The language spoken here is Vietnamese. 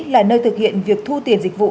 là nơi thực hiện việc thu tiền dịch vụ